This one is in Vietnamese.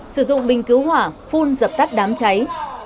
sử dụng bình cứu hỏa phun dập tắt đám cháy